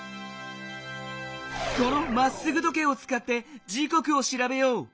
この「まっすぐ時計」をつかって時こくをしらべよう。